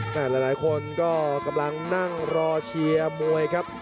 หลายคนก็กำลังนั่งรอเชียร์มวยครับ